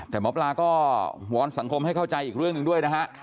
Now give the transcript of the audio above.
แต่หมอปลาก็วอนสังคมให้เข้าใจอีกเรื่องหนึ่งด้วยนะฮะ